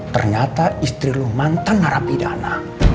ternyata istri lu mantan narapidana